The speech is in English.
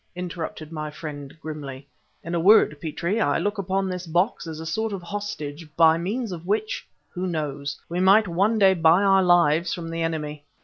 interrupted my friend grimly. "In a word, Petrie, I look upon this box as a sort of hostage by means of which who knows we might one day buy our lives from the enemy.